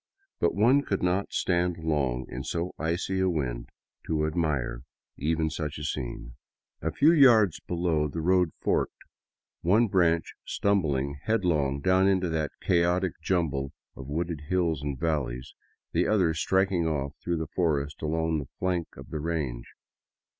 But one could not stand long in so icy a wind to admire even such a 96 DOWN THE ANDES TO QUITO scene. A few yards below, the road forked, one branch stumbling headlong down into that chaotic jumble of wooded hills and valleys, the other striking off through the forest along the flank of the range.